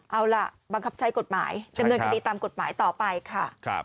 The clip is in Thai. เอาล่ะบังคับใช้กฎหมายดำเนินคดีตามกฎหมายต่อไปค่ะ